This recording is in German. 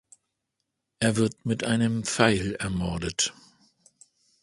Er wird mit einem Pfeil ermordet.